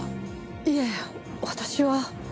いえ私は。